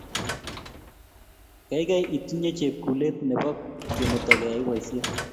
Keikei itinye chepkulet nebo kemeto keyai boisiet